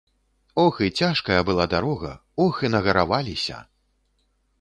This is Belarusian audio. Ох і цяжкая была дарога, ох і нагараваліся.